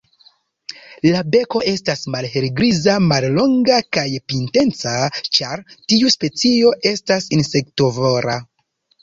La beko estas malhelgriza, mallonga kaj pinteca, ĉar tiu specio estas insektovora.